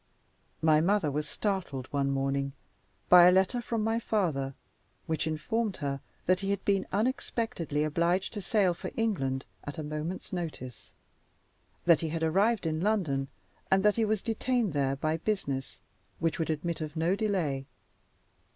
My mother was startled, one morning, by a letter from my father, which informed her that he had been unexpectedly obliged to sail for England at a moment's notice; that he had arrived in London, and that he was detained there by business which would admit of no delay.